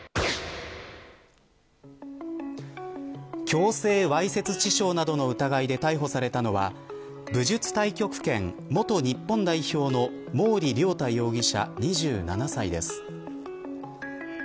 強制わいせつ致傷などの疑いで逮捕されたのは武術太極拳、元日本代表の毛利亮太容疑者、２７歳です。